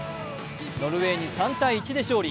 ノルウェーに３−１で勝利。